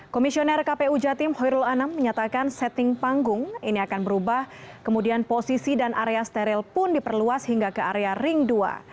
komisioner kpu jatim hoyrul anam menyatakan setting panggung ini akan berubah kemudian posisi dan area steril pun diperluas hingga ke area ring dua